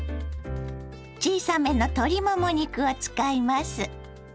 小さめの鶏もも肉を使います。